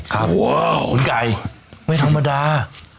ว้าวคุณไก่ไม่ธรรมดา